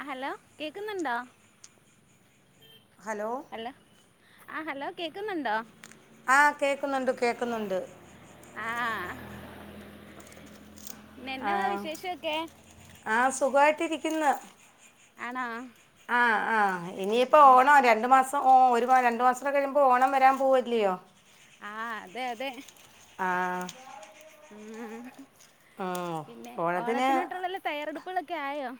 ആ ഹലോ കേക്കുന്നുണ്ടോ ഹലോ ആ ഹലോ കേക്കുന്നുണ്ടോ ആഹ് കേക്കുന്നുണ്ട് കേക്കുന്നുണ്ട് ആ എന്നെവാ ആഹ് വിശേഷമൊക്കെ ആഹ് സുഖാവായിട്ടിരിക്ക്ന്ന് ആണൊ ആ ആ ഇനിയിപ്പോ ഓണാ രണ്ടുമാസം ഒരു വാ രണ്ടു മാസൊക്കെകഴിയുമ്പോ ഓണം വരാൻ പോവുല്ലയോ ആഹ് അതെ അതെ ആഹ ഉം. പിന്നെ ഓണത്തിന് ഓണത്തിനായിട്ടുള്ളല്ല തയ്യറെടുപ്പുകളൊക്കെ ആയോ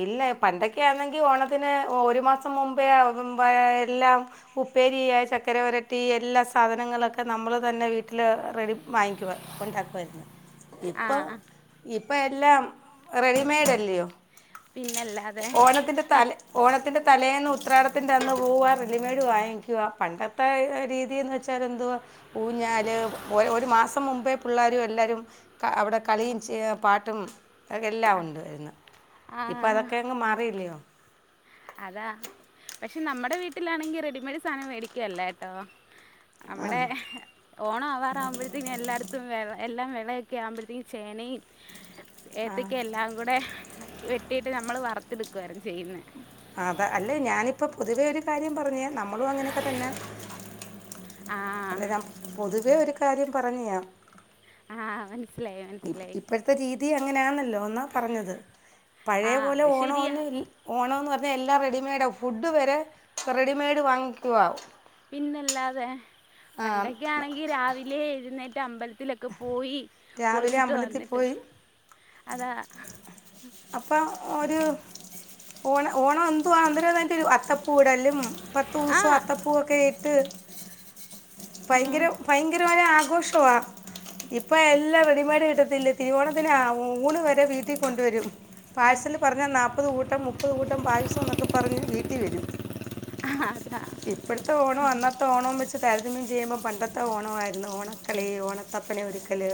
ഇല്ല പന്തൊക്കെയാണെങ്കി ഓണത്തിന് ഒരു മാസം മുമ്പേ എല്ലാം ഉപ്പേരിയ ചക്കര വരട്ടി എല്ലാ സാധനങ്ങളൊക്കെ നമ്മൾ തന്നെ വീട്ടിൽ റെഡി വാങ്ങിക്കുക ണ്ടാക്കരുന്നു ആ ഇപ്പൊ ഇപ്പൊ എല്ലാം റെഡിമെയഡ അല്ലയോ പിന്നല്ലാതെ ഓണത്തിന്റെ ഇ- തല ഓണത്തിന്റെ തലേന്ന് ് വാ പണ്ട ല് ഒരു മാസം മുമ്പേ പിള്ളേരും എല്ലാരും അവിടെ കളിയും പാട്ടും അത എല്ലാം ഉണ്ട്ായിരുന്നു ഇപ്പൊ അതൊക്കെ ആ അങ്ങ് മാറിയില്ലയോ അതാ പക്ഷെ നമ്മുടെ വീട്ടിലാണെങ്കിൽ റെഡിമെയഡ് സാധനം മേടിക്കുവല്ലേ ട്ടോ അവിടെ ഓണം ആവാറാകുമ്പോഴത്തേക്കും എല്ലായിടത്തും വ എല്ലാം നളൊക്കെ ആവുമ്പോഴത്തേക്കും ചേനയും ആ ഏത്തക്ക എല്ലാം കൂടെ കിട്ടിട്ട് നമ്മൾ വറത്തെടുക്കുവായിരുന്നു ചെയ്യുന്നത് അതാ അല്ലെ ഞാനിപ്പോ പൊതുവേ ഒരു കാര്യം പറഞ്ഞേ നമ്മളും അങ്ങനെയൊക്കെ തന്നൊ ആ അല്ല ഞാൻ പൊതുവേ ഒരു കാര്യം പറഞ്ഞിയാം ആഹ ഇപ്പഴത്തെ രീതി അങ്ങനെയാണല്ലോ പറഞ്ഞത് ആ പഴയ പോലെ അത് ഓണം ശരിയാ ഓണംന്ന് പറ അ എല്ലാം റെഡിമെയ്ഡ് ആും ഫുഡ് വരെ റെഡിമെയ്ഡ് വാങ്ങിക്കുവ പിന്നല്ലാതെ പണ്ടൊക്കൊണെങ്കി രാവിലെ എഴുന്നേറ്റ അമ്പലത്തി ട്ടൊക്കെ പോയി രാവിലെ കുളിച്ചിട്ട് അമ്പലത്തിൽ വന്നിട്ട് പോയി അത അപ്പം ഒരു ഓണ ഓണം എന്തുവാന്ദരം അതിന്റെ ഒരു അത്തപ്പൂ ഇൂടല്ലും പത്ത് ആ ദിവസം അത്തപ്പൂവൊക്കെ ഇട്ട് ഭയങ്കര ഉം. ഭയങ്കരമായി ആഘോഷവാ ഇപ്പൊ എല്ലാവ ടിമേട് കിട്ടത്തില്ല തിരുവോണത്തിന് ഊണ് വരെ വീട്ടിൽ കൊണ്ടുവരും പാഴ്സല് പറഞ്ഞാൽ നാല്പ്പത് കൂട്ടം മുപ്പത് കൂട്ടം പായസം എന്നൊക്കെ പറഞ്ഞ് വീട്ട വരും ആഹ ഇപ്പടത്തെ ഓണോ അന്നത്തെ ഓണം വെച്ച തരതമ്യം ചെയ്യുമ്പോ പണ്ടത്തെ ഓണമായിരുന്നു ഓണക്കളി ഓണത്തപ്പന ഒരിക്കല്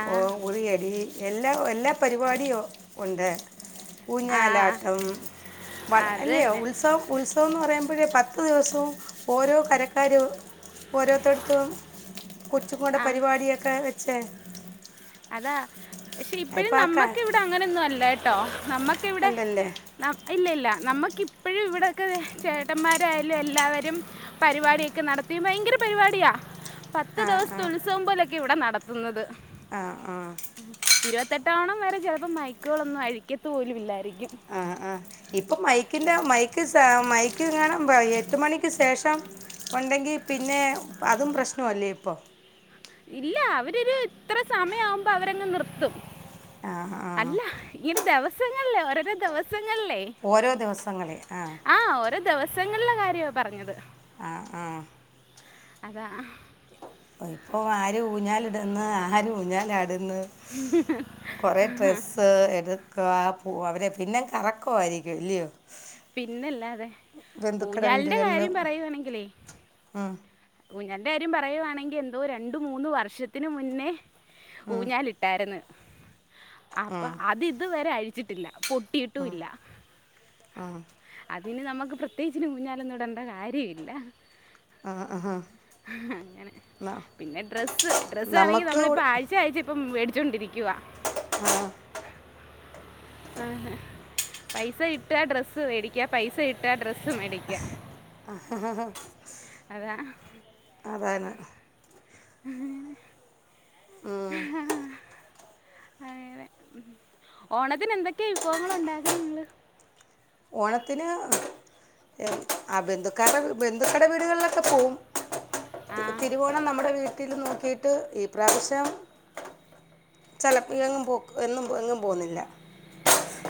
ആ ഓ ഉറിയടി എല്ലാ എല്ലാ പരിപാടിയും ഉണ്ട് ആ ഊഞ്ഞാലാട്ടം വ ആ, അത് അല്ലോ തന്നെ ഉത്സവം ഉത്സവംന്ന് പറയുമ്പോഴേ പ പത്ത് ദിവസവും ഓരോ കരക്കാര്ും ഓരോരുത്തർത്തും കൊച്ചു കൊടെ ആ പരിപാടിയൊക്കെ വെച്ചേ അതാ പക്ഷെ ഇപ്പഴും ആക്കാ നമ്മക്ക് ഇവിടെ അങ്ങനൊന്നും അല്ല കേട്ടോ നമ്മക്ക ഇവിടെ അല്ലല്ലേ ഇല്ല ഇല്ല നമ്മുക്ക ഇപ്പോഴും ഇവിടെൊക്കെ ചേട്ടന്മാരായാലും എല്ലാവരും പരിപാടിയൊക്കെ നടത്തി ഭയങ്കര പരിപാടിയ പത്ത് ആ ദിവസത്തെ ആ ഉത്സവം പോലെയൊക്കെ ഇവിടെ നടത്തുന്നത് ആ ആ ഇരുപത്തെട്ടോണം വരെ ചിലപ്പോ മൈക്കുകളൊന്നും അഴിക്കത്ത പോലും ഇല്ലായിരിക്കും ആഹ ആഹ ഇപ്പൊ മൈക്ക് എൻ്റെ മൈക്ക് മൈക്ക് കാണുമൾ എട്ട് മണിക്ക് ശേഷം ഉണ്ടെങ്കിൽ പിന്നെ അതും പ്രശ്നല്ലേ ഇപ്പൊ ഇല്ല അവരൊരു ഇത്ര സമയവുമ്പോ അവരങ്ങ് നിർത്തും ആ ആ അല്ല ഇര് ദിവസങ്ങള ഒരോ ദിവസം ഓരോ ദിവസങ്ങളെ ആ ആഹ ഓരോ ദിവസങ്ങളില കാര്യമാണ് പറഞ്ഞത് ആ ഉ അത ഇപ്പൊ ആര് ഊഞ്ഞാലിടന്ന് ആര് ഊഞ്ഞാലാട്ന്ന് കൊറെ ഡ്ര എടുക്ക പോ അവരെ പിന്നെ കറക്കാംമായിരിക്കും ഇല്ലയോ പിന്നല്ലാതെ ബന്ധുക്കളുടെ ഊഞ്ഞാലിന്റെ വീടുകളിലും കാര്യം പറയുവാണെങ്കിലേ ഉം, ഊഞ്ഞൻന്റെ കാര്യം പറയുവാണെങ്കിൽ എന്തോ രണ്ടു മൂന്ന് വർഷത്തിനന് മുന്നേ ഉം, ഊഞ്ഞാാലിട്ടായിരുന്നു അപ്പൊ ഉം, അത് ഇതുരെ അഴിച്ചിട്ടില്ല പൊട്ടിയിട്ടും ഇല്ല ഉം, അതിന് നമുക്ക് പ്രത്യേകിച് ഇന്നി ഊഞ്ഞാലൊന്നും ഇടേണ്ട കാര്യമില്ല ആഹ ആഹ അങ്ങനെ പിന്നെ ഡ്രസ്സ് ഡ്രസ്സ് ആണെങ്കി നമുക്ക് നമ്മളിപ്പ ആഴ്ചഴ്ച്ച ഇപ്പ മേടി ച്ചൊണ്ടിരിക്കുക ആഹ ആ പൈസ കിട്ടുക ഡ്രസ്സ് മേടിക്ക പൈസ കിട്ടുക ഡ്രസ് സ്സ് മേടിക്കാഅതാ അതാണ് [inaudible] ഹാ അതനെ ഓണത്തിന് എന്തൊക്കെയാ വിഭവങ്ങൾ ഉണ്ടാകും നിങ്ങള് ഓണത്തിന് ആ ബന്ധുക്കരുടെ ബന്ധുക്കടെ വീടുകളിലൊക്കെ പോകവും ആ തിരുവോണം നമ്മുടെ വീട്ടിൽ നോക്കിയിട്ട് ഈ പ്രാവശ്യം ചിലപ്പോങ്ങും പോ എന്നും എങ്ങും പോുന്നില്ല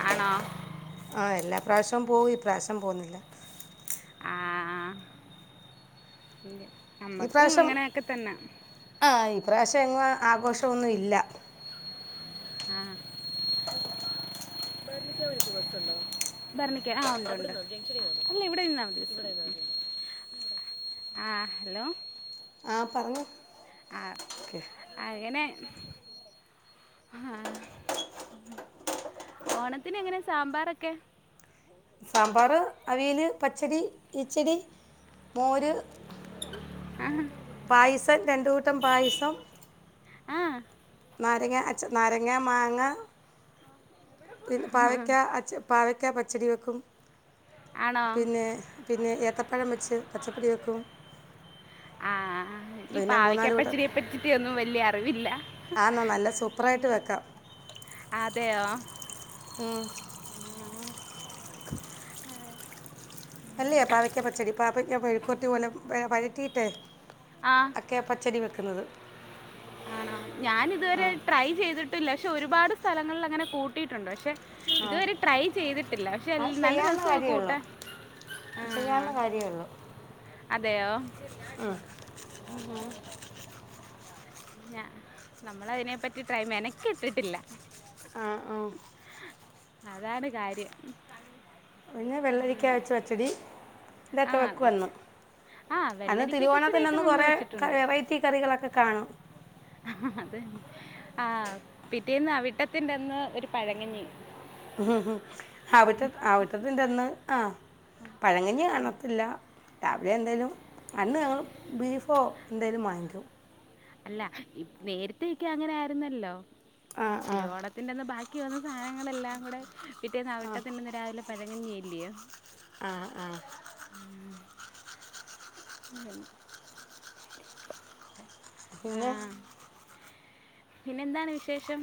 ആണോ ആ എല്ലാ പ്രാവശ്യവും പോകും ഈ പ്രവശ്യം പോകുന്നില്ല ആ ഈ നമ്മക്കും പ്രാവശ്യം അങ്ങനെയൊക്കെ തന്നെ ആ ഈ പ്രാവശ്യം എങ്ങും ആഘോഷമൊനും ഇല്ല ആഹ ബംഗിന്റെ ബസുണ്ടോ ഭരണിക്ക ആ ഉണ്ട്ണ്ട് അല്ല ഇവിടെ നിന്നാൽ മതി ആ ഹലോ ആഹ പറഞ്ഞു ആ ഓക്കെ ആങ്ങനെ ആഹ ഓണത്തിന് എങ്ങനെ സാമ്പാറൊക്കെ സാമ്പാർ അവിയൽ പച്ചടി കിച്ചടി മോര് ആഹ പായസം രണ്ടു കൂട്ടം പായസം ആഹ നാരങ്ങ അച്ച നാരങ്ങ മാങ്ങ പിന്ന ആ. പാവയ്ക്കാ അച്ച പാവക്കാ പച്ചടി വെക്കും ആണോ പിന്നെ പിന്നെ ഏത്തപ്പഴം വെച്ച് പച്ചപ്പടി വെക്കും ആഹ എനിക്ക് പിന്നെ മൂന്നാല് കൂട്ടം പാവക്കപ്പച്ചടിയെ പറ്റിട്ട ഒന്നും വലിയ അറിവില്ല ആന്നോ നല്ല സൂപ്പറായിട്ട് വെക്കാം അതെയോ മം അല്ലേ പാവക്ക പച്ചടി പാവയ്ക്ക മെഴുക്കുപുരട്ടി പോലെ വഴറ്റീയിട്ടെ ആ ഒക്കെ പച്ചടി വെക്കുന്നത് ആണോ ഞാൻ ആ ഇതുവരെ ട്രൈ ചെയ്തിട്ടില്ല പക്ഷെ ഒരുപാട് സ്ഥലങ്ങളിൽ അങ്ങനെ കൂട്ടിയിട്ടുണ്ട് പക്ഷെ ആ ഇതുവരെ ട്രൈ ചെയ്തിട്ടില്ല പക്ഷെ നല്ല രസ കൂട്ടാൻ ആ, ചെയ്യാനുള്ള കാര്യമേള്ളു അതെയോ മ്മ് ഞ നമ്മള അതിനെ പറ്റി ട്രൈ മെനകെട്ടിട്ടില്ല ആഹ ആ അതാണ് കാര്യം പിന്നെ വെള്ളരിക്ക വച് പച്ചടി ആ ഇതൊക്കെ വെക്കു അന്ന് ആ അന്ന് വെള്ളരിക്ക തിരുവോണത്തിന്റെ പച്ചടിയൊക്കെ അന്ന് നമ്മൾ കൊറെ വെച്ചിട്ടുണ്ട് വെറൈറ്റി കറികളൊക്കെ കാണും അത് തന്നെ ആ പിറ്റേന്ന് അവിട്ടത്തിന്റെ അന്ന് ഒരു പഴങ്ങഞ്ഞീം അവിട്ട അവിട്ടത്തിന്റെ അന്ന് ആ പഴങ്കഞ്ഞി കാണത്തില്ല രാവിലെ എന്തായാലും അന്ന് ഞങ്ങള് ബീഫോ എന്തേലും വാങ്ങിക്കും അല്ല ഇ നേരത്തെയൊക്കെ അങ്ങനെ ആരുന്നല്ലോ ആ ആ തിരുവോണത്തിന്റന്ന് ബാക്കി വന്ന സാധനങ്ങളെല്ലാം കൂടെ പിറ്റേന്ന് അവിട്ടത്തിന്റെ അന്ന് രാവിലെ പ ഴങ്കഞ്ഞി ഇല്ല്യയോ ആ ആ ഉ പിന്നെ പിന്നെന്താണ് വിശേഷം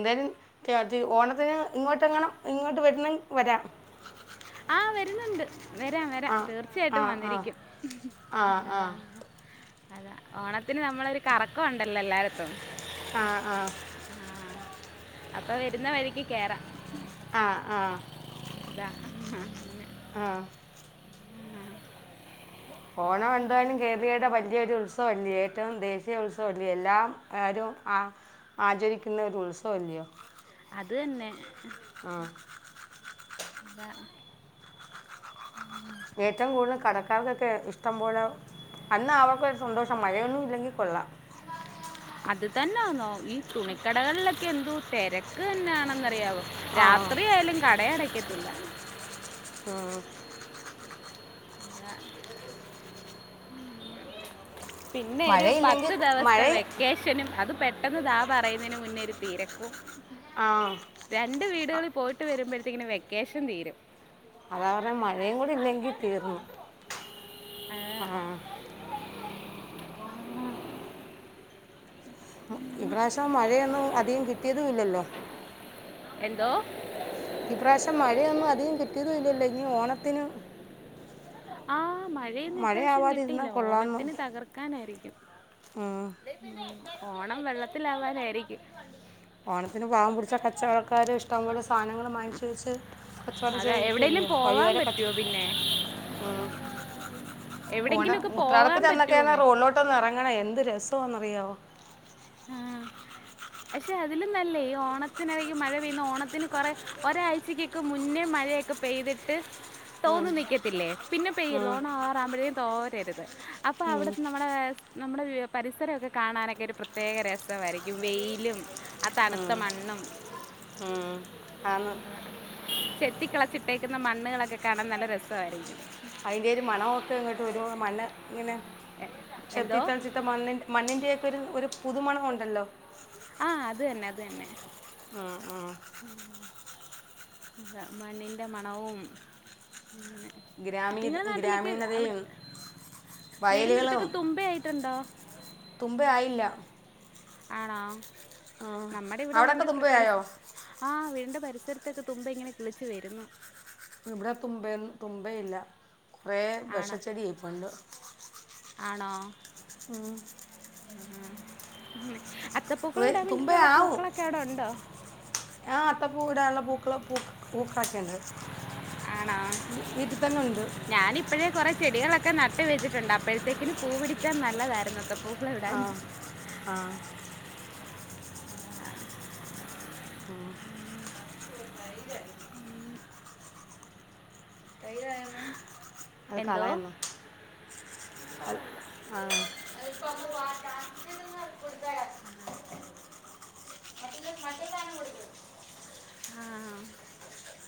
എന്തായാലും മറ്റേ അത് ഓണത്തിന് ഇങ്ങോട്ടെങ്ങാനും ഇങ്ങോട്ട് വരുന്നെങ്കി വരാം ആ വരുന്നുണ്ട് വരാം വരാം ആ ആ തീർച്ചയായിട്ടും ആ വന്നിരിക്കും ആ ആ അതാ ഓണത്തിന് നമ്മളൊരു കറക്കം ഉണ്ടല്ലോ എല്ലാടെത്തും ആ ആ അപ്പൊ വരുന്ന വഴിക്ക് കേറാം ആ ആ ആ ആ ഉ ഓണം എന്തായാലും കേരളീയരുടെ വലിയൊരു ഉത്സവം അല്ലേ ഏറ്റവും ദേശീയ ഉത്സവല്ലേ എല്ലാവരും ആ ആചരിക്കുന്ന ഒരു ഉത്സവല്ലയോ അത് തന്നെ ഉം വരാം ഉം ഏറ്റവും കൂടുതൽ കടക്കാർക്കൊക്കെ ഇഷ്ടം പോലെ അന്നാ അവർക്കൊരു സന്തോഷം മഴയൊന്നും ഇല്ലെങ്കിൽ കൊള്ളാം അത് തന്നാന്നോ ഈ തുണിക്കടകളിലൊക്കെ എന്തോ തിരക്ക് തന്നെയാണെന്നറിയാവോ ആ രാത്രിയായാലും കട അടക്കത്തില്ല ഉം പിന്നെ ഒരു മഴയില്ലെങ്കിൽ പത്ത് കൊ- മഴ ദിവസത്തെ വെക്കേഷനും അത് പെ ട്ടെന്ന് ദാ പറയുന്നതിന് മുന്നേ ഒരു തിരക്കും ആ രണ്ട് വീടുകളിൽ പോയിട്ട് വരുമ്പോഴത്തേക്കിനും വെക്കേഷൻ തീരും അതാ പറഞ്ഞെ മഴയും കൂടി ഇല്ലെങ്കി തീർന്നു ആ ഇപ്രാവശ്യം മഴയൊന്നും അധികം കിട്ടിയതും ഇല്ലല്ലോ എന്തോ ഈ പ്രാവശ്യം മഴയൊന്നും അധികം കിട്ടിയതും ഇല്ലല്ലോ ഇനി ഓണത്തിന് ആ മഴയൊന്നും ഇപ്രാവശ്യം മഴയാവാതെ ഇരുന്നാൽ കിട്ടിയില്ല കൊള്ളാമെന്ന് ഓണത്തിന് തകർക്കാനാരിക്കും ഉം. ഓണം വെള്ളത്തിലാവാനാരിക്കും ഓണത്തിന് പാവം പിടിച്ച കച്ചവടക്കാര് ഇഷ്ടംപോലെ സാധനങ്ങളും വാങ്ങിച്ച് വെച്ച് കച്ചവടം അതാ ചെയ്യാൻ എവിടെയെങ്കിലും ഇരിക്കുവല്ലയോ പോവാൻ വഴിയോര കച്ച പറ്റുമോ പിന്നെ ഉം ഓണ എവിടെയെങ്കിലുമൊക്കെ പോവാൻ ഉത്രാടത്തിന്റെ അന്നൊക്കെയൊന്ന് പറ്റുമോന്നേ റോഡിലോട്ട് ഇറങ്ങണം എന്ത് രസാവാന്ന് അറിയാവോ അറിയാവോ ആ പക്ഷേ അതിലും നല്ലേ ഈ ഓണത്തിനിടയ്ക്ക് മഴ പെയ്യുന്ന ഓണത്തിന് കുറേ ഒരാഴ്ചക്കൊക്കെ മുന്നേ മഴയൊക്കെ പെയ്തിട്ട് ഉം, തോന്ന് നിൽക്കത്തില്ലേ പിന്നെ പെയ്യരുത് ഉം, ഓണം ആകാറാമ്പോഴേ തോരരുത് അപ്പൊ ഉം, അവിടുത്തെ നമ്മുടെ നമ്മുടെ പരിസരം ഒക്കെ കാണാനൊക്കെ ഒരു പ്രെ പ്രത്യേക രസമായിരിക്കും വെയിലും ആ തണുത്ത ഉം, മണ്ണും ഉം. ആന്ന് ചെത്തി കളച്ചിട്ടേക്കുന്ന മണ്ണുകളൊക്കെ കാണാൻ നല്ല രസമായിരിക്കും അതിന്റെ ഒരു മണൊക്കെ ഇങ്ങോട്ട് വരുന്ന മണ്ണ് ഇങ്ങനെ എ- എന്തോ ചെത്തിത്തൽച്ചിട്ട മണ്ണി മണ്ണിൻന്റെക്കെ ഒരു ഒരു പുതുമണം ഉണ്ടല്ലോ ആ അത് തന്നെ അത് തന്നെ ആ ആ മണ്ണിൻ്റെ മണവും ഗ്രാമീ നിങ്ങള നാട്ടിലൊക്കെ അവിടെ ഗ്രാമീണതയും വീടിന്റെ വയലുകളും അടുത്തൊക്കെ തുമ്പ ആയിട്ടുണ്ടോ തുമ്പയായില്ല ആണോ ഉം. നമ്മുടെ ഇവിടെ അവിടൊക്കെ വീടി പരി തുമ്പയായോ ആ വീടിന്റെ പരിസരത്തേക്ക തുമ്പ ഇങ്ങനെ കിളിച്ചു വരുന്നു ഇവിടെ തുമ്പ തുമ്പയില്ല കുറെ ആണോ വെഷച്ചെടി ഇപ്പുണ്ട് ആണോ ഉം ഉം ഉം അത്തപ്പൂക്കൾ ഇടാൻ തുമ്പ വേണ്ടിയിട്ടുള്ള ആവും പൂക്കളൊക്കെ അവിടെ ഉണ്ടോ ആ അത്ത പൂ ഇടാനുള്ള പൂക്കള് പൂക്കള് പൂക്ക [inaudible] ആണോ ഞാനിപ്പഴേ കുറെ ചെടികളൊക്കെ നട്ട് വെച്ചിട്ടുണ്ട് അപ്പോഴത്തേക്കിന് പൂ പിടിച്ചാൻ നല്ലതായിരുന്നു. അത്തപ്പൂ ആ ആ ആ [unintelligible] ആ അപ്പ എന്തോ അങ്ങ് കൊടുത്ത ആ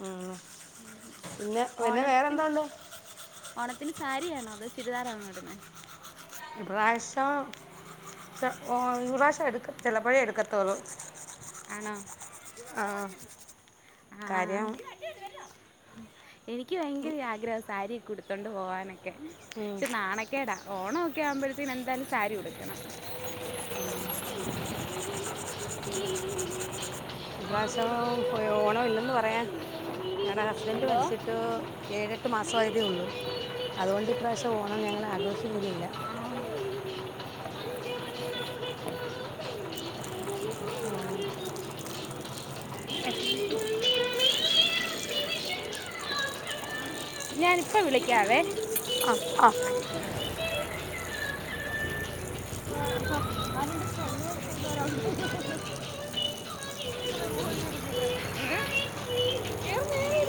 ഉം പിന്നെ പിന്നെ ഓണത്തിന് വേറെന്താണ്ട് ഓണത്തിന് സാരിയാണോ അതോ ചുരിദാറാണോ ഇടുന്നെ ഇപ്രാവശ്യം ഓ ഇപ്രാവശ്യം എടുക്കത്തില്ല ചിലപ്പോഴെ എടുക്കത്തോളു ആണോ ആ കാര്യം എനിക്ക് ഭയങ്കര ആഗ്രഹം സാരിയക്കെ ഉടുത്തോണ്ട് പോവാനൊക്കെ ഉം, പക്ഷെ നാണക്കേടാ ഓണം ഒക്കെ ആവുമ്പോഴത്തേനും എന്തായാലും സാരി ഉടുക്കണം ഉം. ഉം ഇപ്രാവശ്യം പോ ഓണം ഇല്ലന്ന് പറയാ ഞങ്ങളുടെ ഹസ്ബൻറ് എന്തോ മരിച്ചിട്ട് ഏഴ് എട്ട് മാസം ആ ഉള്ളു അതുകൊണ്ട് ഇപ്രാവശ്യം ഓണം ഞങ്ങള് ആഘോഷിക്കുന്നില്ല ഉം ഞാനിപ്പ വിളിക്കാവേ ആ ഏ, നേരെ